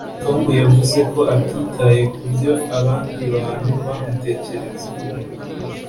tom yavuze ko atitaye kubyo abandi bantu bamutekereza